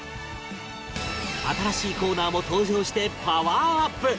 新しいコーナーも登場してパワーアップ！